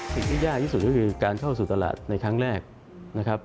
สิ่งที่ยากที่สุดก็คือการเข้าสู่ตลาดในครั้งแรกนะครับ